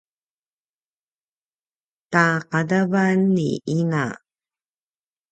taqadavan ni ina